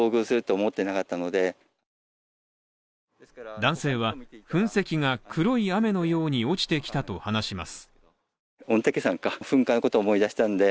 男性は噴石が黒い雨のように落ちてきたと話します。